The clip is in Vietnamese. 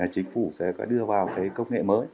chính phủ sẽ có đưa vào công nghệ mới